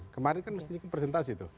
kemarin kan mestinya presentasi tuh